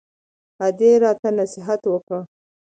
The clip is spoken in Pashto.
ادې راته نصيحت وکړ.